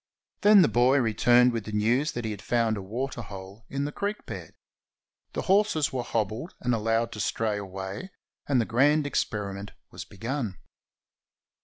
Then the boy returned with the news that he had found a water hole in the creek bed. The horses were hobbled and allowed to stray away, and the grand experiment was begun.